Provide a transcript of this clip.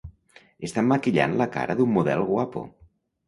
Estan maquillant la cara d'un model guapo.